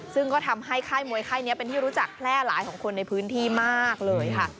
ซึ่งก็ทำให้ค่ายมวยค่ายนี้เป็นที่รู้จักแพร่หลายของคนในพื้นที่มากเลยค่ะ